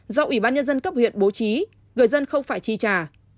do ủy ban nhân dân cấp huyện bố trí người dân không phải chi trả